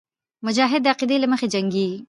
مجاهد د عقیدې له مخې جنګېږي.